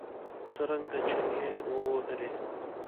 څرنګه چنې ووهلې.